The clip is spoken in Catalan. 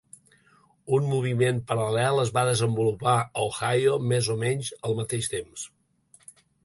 Un moviment paral·lel es va desenvolupar a Ohio més o menys al mateix temps.